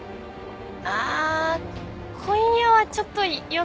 ああ今夜はちょっと予定が。